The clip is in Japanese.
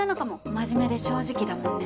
真面目で正直だもんね。